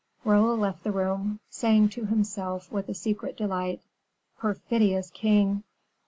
Raoul left the room, saying to himself, with a secret delight, "Perfidious king!